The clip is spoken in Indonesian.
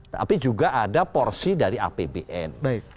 tapi juga ada porsi dari apbn